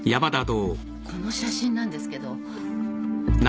この写真なんですけど。